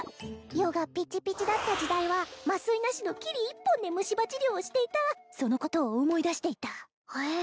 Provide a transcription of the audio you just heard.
余がピチピチだった時代は麻酔なしのキリ一本で虫歯治療をしていたそのことを思い出していたはえ